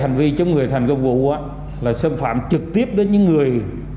hành vi chống người thành công vụ là xâm phạm trực tiếp đến những người